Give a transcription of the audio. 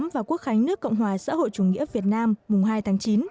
và quốc khánh nước cộng hòa xã hội chủ nghĩa việt nam mùng hai tháng chín